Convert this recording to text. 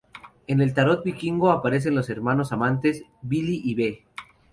En el Tarot Vikingo aparecen los hermanos-amantes Vili y Ve.